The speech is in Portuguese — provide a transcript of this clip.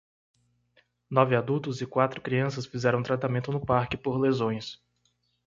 Nove adultos e quatro crianças fizeram tratamento no parque por lesões.